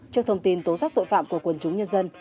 trước thông tin tố giác tội phạm của quần chúng nhân dân